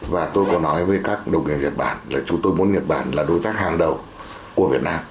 và tôi có nói với các đồng nghiệp nhật bản là chúng tôi muốn nhật bản là đối tác hàng đầu của việt nam